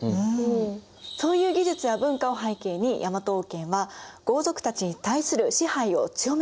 そういう技術や文化を背景に大和王権は豪族たちに対する支配を強めていった。